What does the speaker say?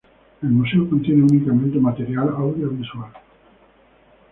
El museo contiene únicamente material audiovisual.